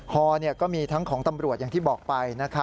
ฮอก็มีทั้งของตำรวจอย่างที่บอกไป